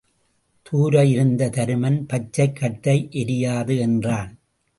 தூர இருந்த தருமன் பச்சைக் கட்டை எரியாது என்றான்.